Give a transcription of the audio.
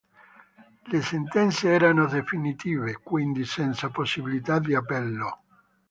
Le sentenze erano definitive, quindi senza possibilità di appello.